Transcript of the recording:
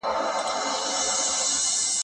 له ځان سره.